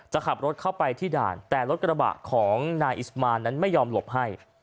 จะขับรถเข้าไปที่ด่านแต่รถกระบะของนายอิสมานนั้นไม่ยอมหลบให้